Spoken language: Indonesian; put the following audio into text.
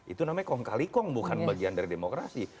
itu namanya kong kali kong bukan bagian dari demokrasi